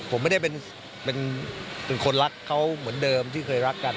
ผมไม่ได้เป็นคนรักเขาเหมือนเดิมที่เคยรักกัน